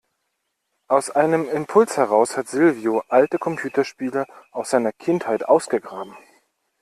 Aus einem Impuls heraus hat Silvio alte Computerspiele aus seiner Kindheit ausgegraben.